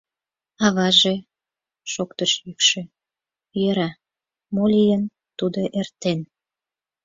— Аваже, — шоктыш йӱкшӧ, — йӧра, мо лийын, тудо эртен.